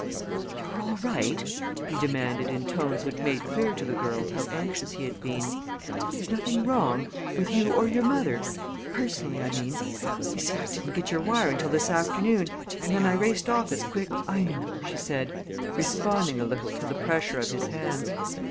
"You're all right?" he demanded in tones which made clear to the girl how anxious he had been. "There's nothing wrong with you or your mother personally, I mean? You see, I didn't get your wire until this afternoon, and then I raced off as quick " "I know," she said, responding a little to the pressure of his hands.